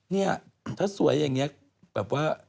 เนี่ยถ้าสวยอย่างนี้แบบว่า